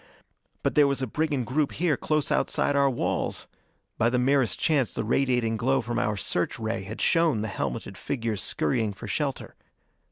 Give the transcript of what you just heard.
But there was a brigand group here close outside our walls! By the merest chance the radiating glow from our search ray had shown the helmeted figures scurrying for shelter.